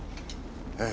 ええ。